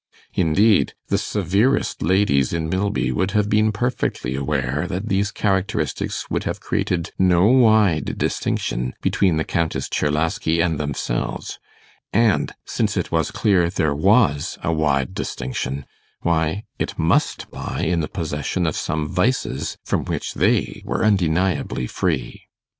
Indeed, the severest ladies in Milby would have been perfectly aware that these characteristics would have created no wide distinction between the Countess Czerlaski and themselves; and since it was clear there was a wide distinction why, it must lie in the possession of some vices from which they were undeniably free.